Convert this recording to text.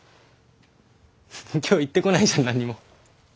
今日言ってこないじゃん何にも。